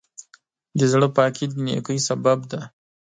د زړۀ پاکي د نیکۍ سبب دی.